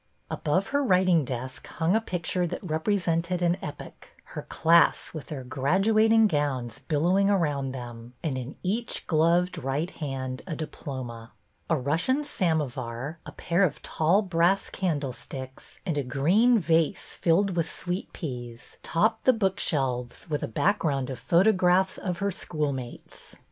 Above her writing desk hung a picture that rep resented an epoch, — her class with their gradu ating gowns billowing around them, and in each gloved right hand a diplom.a. A Russian samo var, a pair of tall brass candlesticks, and a green vase filled with sweet peas, topped the book shelves, with a background of photographs of her schoolmates.